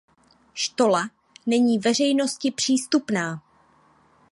Štola není veřejnosti přístupná.